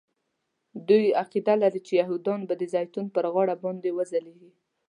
دوی عقیده لري چې یهودا به د زیتون پر غره باندې وځلیږي.